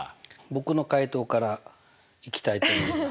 僕の解答からいきたいと思います。